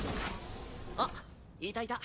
あっいたいた！